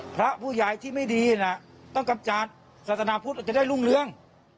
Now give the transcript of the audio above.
พระผู้ใหญ่ที่ไม่ดีน่ะต้องกำจัดศาสนาพุทธจะได้รุ่งเรือง